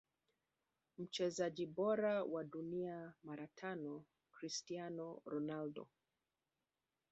Mchezaji bora wa dunia mara tano Cristiano Ronaldo